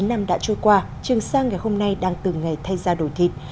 bốn mươi chín năm đã trôi qua trường sa ngày hôm nay đang từng ngày thay ra đổi thịt